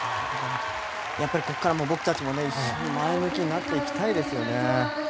ここから僕たちも一緒に前向きになっていきたいですね。